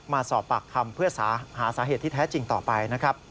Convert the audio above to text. มาสอบปากคำเพื่อหาสาเหตุที่แท้จริงต่อไปนะครับ